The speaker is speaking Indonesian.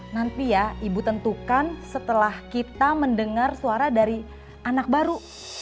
nanti ya ibu tentukan setelah kita mendengar suara dari anak baru